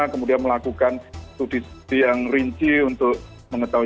kemudian melakukan studi studi yang rinci untuk mengetahui